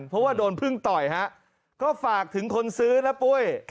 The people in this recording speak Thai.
เพราะว่าโดนพึ่งต่อยฮะก็ฝากถึงคนซื้อนะปุ้ย